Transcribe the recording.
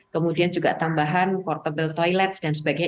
kemudian juga tambahan portable toilet dan sebagainya